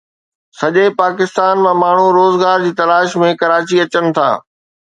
سڄي پاڪستان مان ماڻهو روزگار جي تلاش ۾ ڪراچي اچن ٿا